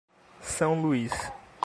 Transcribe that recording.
São Luís